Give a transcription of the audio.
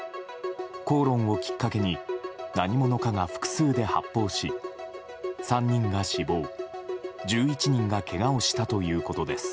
口論をきっかけに何者かが複数で発砲し３人が死亡、１１人がけがをしたということです。